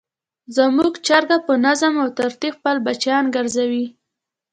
زموږ چرګه په نظم او ترتیب خپل بچیان ګرځوي.